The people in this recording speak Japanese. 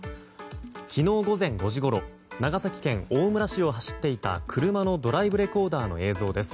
昨日午前５時ごろ長崎県大村市を走っていた車のドライブレコーダーの映像です。